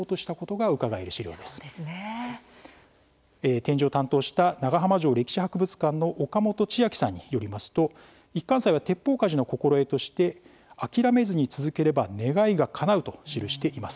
展示を担当した長浜城歴史博物館の岡本千秋さんによりますと一貫斎は鉄砲鍛冶の心得として「あきらめずに続ければ願いがかなう」と記しています。